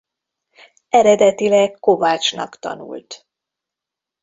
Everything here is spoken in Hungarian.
Eredetileg kovácsnak tanult.